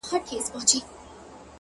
هر څه چي راپېښ ســولـــــه،